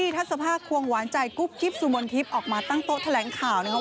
ทัศภาควงหวานใจกุ๊บกิ๊บสุมนทิพย์ออกมาตั้งโต๊ะแถลงข่าวนะครับ